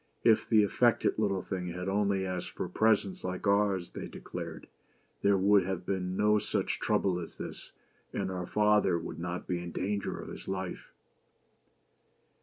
" If the affected little thing had only asked for presents like ours," they de clared, " there would have been no such trouble as this, and our father would not be in danger of his life."